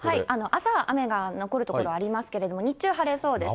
朝は雨が残る所ありますけれども、日中晴れそうです。